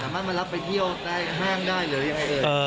สามารถมารับไปเที่ยวห้างได้หรือยังไง